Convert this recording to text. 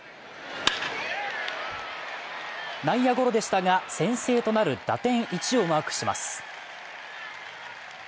内野ゴロでしたが、先制となる打点１をマークします。